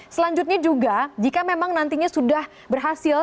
selanjutnya juga jika memang nantinya sudah berhasil